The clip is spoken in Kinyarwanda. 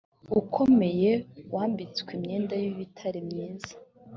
ukomeye wambitswe imyenda y ibitare myiza